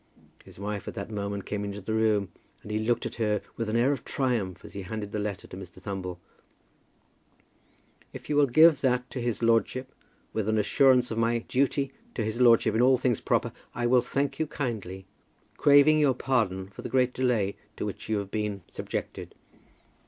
His wife at that moment came into the room and he looked at her with an air of triumph as he handed the letter to Mr. Thumble. "If you will give that to his lordship with an assurance of my duty to his lordship in all things proper, I will thank you kindly, craving your pardon for the great delay to which you have been subjected."